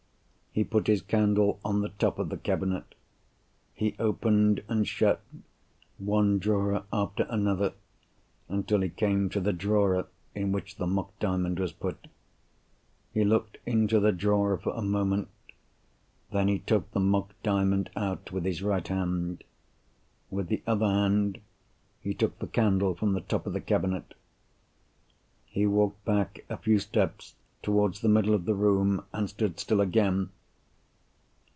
He put his candle on the top of the cabinet. He opened, and shut, one drawer after another, until he came to the drawer in which the mock Diamond was put. He looked into the drawer for a moment. Then he took the mock Diamond out with his right hand. With the other hand, he took the candle from the top of the cabinet. He walked back a few steps towards the middle of the room, and stood still again.